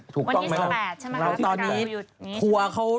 ถูกต้องมั้ยคะรัฐภาคาหยุดนี้ใช่ไหมวัน๒๘ใช่ไหมคะ